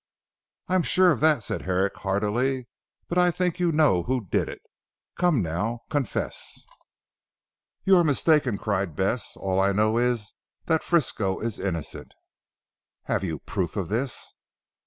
"I am sure of that," said Herrick heartily. "But I think you know who did it. Come now, confess!" "You are mistaken," cried Bess. "All I know is that Frisco is innocent." "Have you proof of this?"